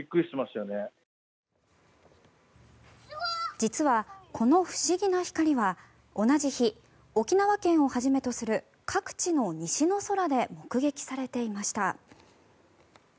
実は、この不思議な光は同じ日、沖縄県をはじめとする各地の西の空で目撃されていました。